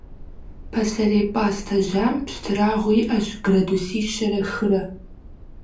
Пасэрей пӏастэ жьам пщтырагъыу иӏэщ градуси щэрэ хырэ.